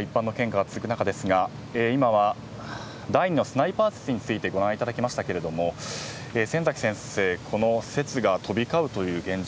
一般の献花が続く中ですが今は第２のスナイパー説についてご覧いただきましたが先崎先生この説が飛び交うという現状